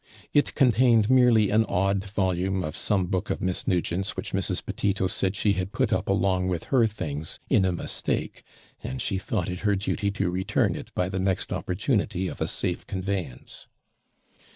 It contained merely an odd volume of some book of Miss Nugent's which Mrs. Petito said she had put up along with her things IN A MISTAKE, and she thought it her duty to return it by the next opportunity of a safe conveyance.